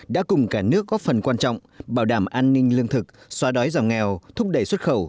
đã cùng cả nước góp phần quan trọng bảo đảm an ninh lương thực xóa đói giảm nghèo thúc đẩy xuất khẩu